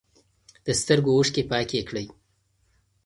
د سترګو اوښکې پاکې کړئ.